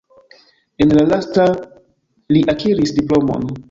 En la lasta li akiris diplomon.